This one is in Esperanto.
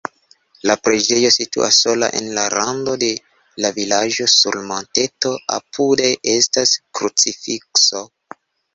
La preĝejo situas sola en rando de la vilaĝo sur monteto, apude estas krucifikso.